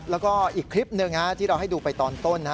แล้วก็อีกคลิปหนึ่งที่เราให้ดูไปตอนต้น